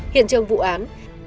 hiện trường vụ án